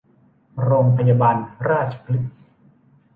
โรงพยาบาลราชพฤกษ์